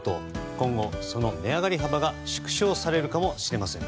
今後、その値上がり幅が縮小されるかもしれません。